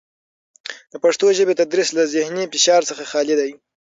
د پښتو ژبې تدریس له زهني فشار څخه خالي دی.